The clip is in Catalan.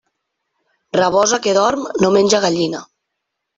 Rabosa que dorm, no menja gallina.